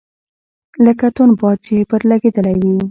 لکه توند باد چي پر لګېدلی وي .